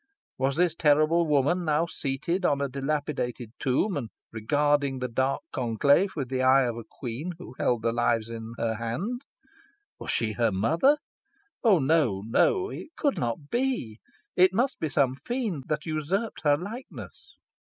Was this terrible woman, now seated oh a dilapidated tomb, and regarding the dark conclave with the eye of a queen who held their lives in her hands was she her mother? Oh, no! no! it could not be! It must be some fiend that usurped her likeness.